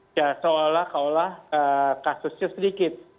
seolah olah kasusnya sedikit